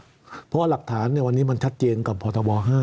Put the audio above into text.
เพราะว่าหลักฐานวันนี้มันชัดเจนกับพทบ๕